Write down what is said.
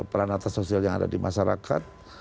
peran atas sosial yang ada di masyarakat